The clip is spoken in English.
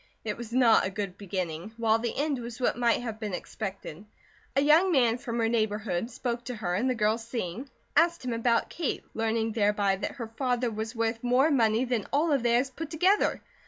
It was not a good beginning, while the end was what might have been expected. A young man from her neighbourhood spoke to her and the girls seeing, asked him about Kate, learning thereby that her father was worth more money than all of theirs put together.